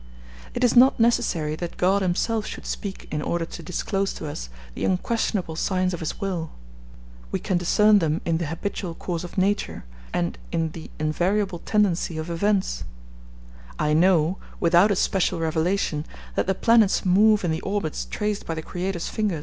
It is not necessary that God himself should speak in order to disclose to us the unquestionable signs of His will; we can discern them in the habitual course of nature, and in the invariable tendency of events: I know, without a special revelation, that the planets move in the orbits traced by the Creator's finger.